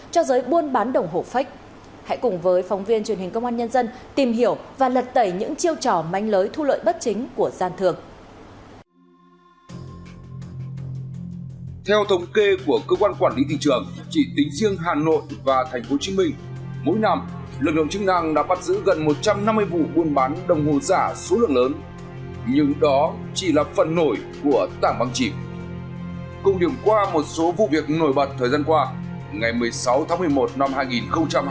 trong vụ việc nổi bật thời gian qua ngày một mươi sáu tháng một mươi một năm hai nghìn hai mươi hai qua kiểm tra sáu cơ sở kinh doanh đồng hồ trên đường mùng ba tháng hai quận một mươi